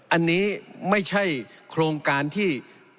อันนี้ไม่ใช่โครงการที่